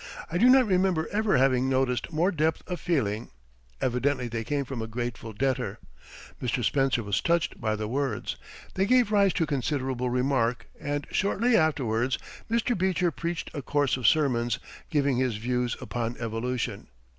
I do not remember ever having noticed more depth of feeling; evidently they came from a grateful debtor. Mr. Spencer was touched by the words. They gave rise to considerable remark, and shortly afterwards Mr. Beecher preached a course of sermons, giving his views upon Evolution.